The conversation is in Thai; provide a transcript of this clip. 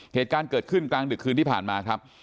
เหตุการณ์เกิดขึ้นกลางดึกคืนที่ผ่านมาครับ